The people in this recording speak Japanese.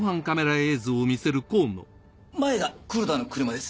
前が黒田の車です。